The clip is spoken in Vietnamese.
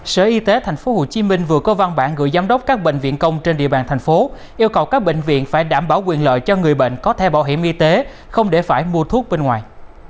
sở y tế tp hcm vừa có văn bản gửi giám đốc các bệnh viện công trên địa bàn thành phố yêu cầu các bệnh viện phải đảm bảo quyền lợi cho người bệnh có thẻ bảo hiểm y tế không để phải mua thuốc bên ngoài